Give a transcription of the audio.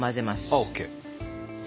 オーケー。